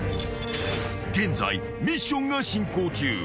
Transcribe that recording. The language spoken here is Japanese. ［現在ミッションが進行中］